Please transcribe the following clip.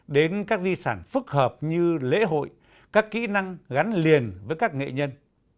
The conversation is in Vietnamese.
đến các di sản phức hợp như lễ hội các kỹ năng gắn liền với các nghệ nhân